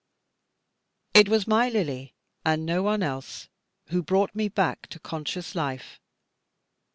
It was my Lily, and no one else, who brought me back to conscious life.